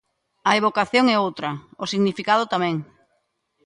A evocación é outra, o significado tamén.